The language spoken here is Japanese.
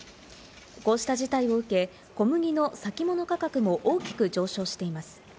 こうした事態を受け、小麦の先物価格も大きく上昇しています。